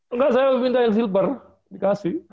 enggak saya minta yang silver dikasih